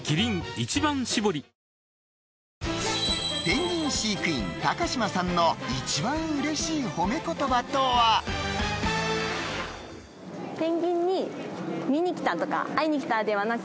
ペンギン飼育員高嶋さんの一番嬉しい褒め言葉とは？